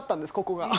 ここが。